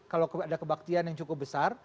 kalau ada kebaktian yang cukup besar